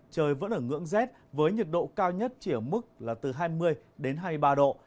trời vẫn ở ngưỡng rét với nhiệt độ cao nhất chỉ ở mức là từ hai mươi đến hai mươi ba độ